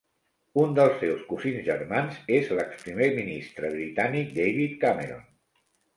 Un dels seus cosins germans és l'exprimer ministre britànic, David Cameron.